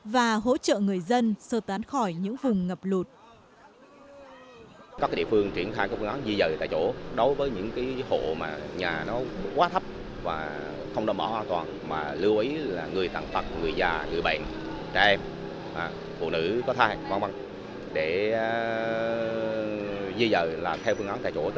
và hỗ trợ người dân sơ tán khỏi những vùng ngập lụt